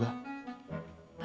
bang anak aja belum punya